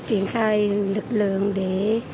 triển khai lực lượng để